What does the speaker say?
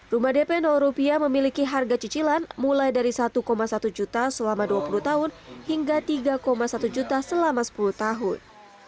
rumah dp rupiah memiliki harga cicilan mulai dari satu satu juta selama dua puluh tahun hingga tiga satu juta selama sepuluh tahun